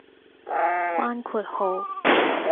關括號